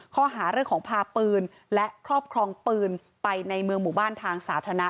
ข้อหาเรื่องของพาปืนและครอบครองปืนไปในเมืองหมู่บ้านทางสาธารณะ